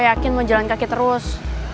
saya yakin mau jalan kaki terus